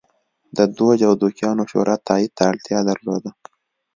د دوج او دوکیانو شورا تایید ته اړتیا درلوده.